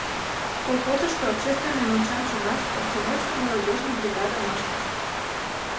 Колхозышто общественный мончам чоҥаш комсомольско-молодёжный бригадым ыштышт.